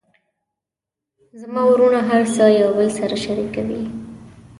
زما وروڼه هر څه یو بل سره شریکوي